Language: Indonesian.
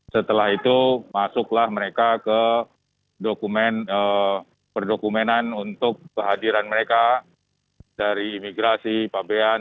setelah itu masuklah mereka ke dokumen perdokumenan untuk kehadiran mereka dari imigrasi pabean